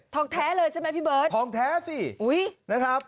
แท้เลยใช่ไหมพี่เบิร์ตทองแท้สิอุ้ยนะครับ